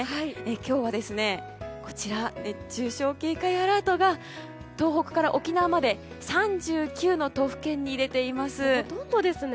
今日は熱中症警戒アラートが東北から沖縄までの３９の都府県に出ています。